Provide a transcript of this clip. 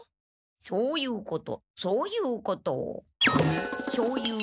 そういうことそういうことしょうゆう